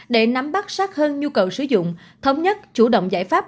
để nắm bắt sát hơn nhu cầu sử dụng thống nhất chủ động giải pháp